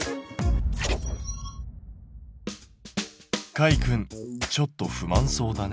かいくんちょっと不満そうだね。